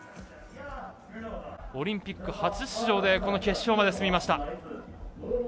オリンピック初出場でこの決勝まで進みました。